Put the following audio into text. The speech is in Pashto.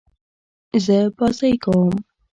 زه بازۍ کوم.